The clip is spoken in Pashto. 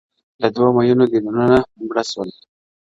د دوو مــينـــو ديــدنــونـــه مـــړه ســـــول.